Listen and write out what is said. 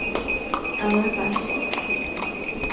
আমার পাশে বস।